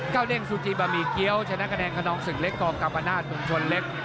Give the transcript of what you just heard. เก้าเด้งซูจิบะหมี่เกี๊ยวชนะคะแนนขนองศึกเล็กกกรรมนาศตรงชนเล็ก